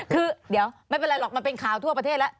คือเดี๋ยวไม่เป็นไรหรอกมันเป็นข่าวทั่วประเทศแล้ว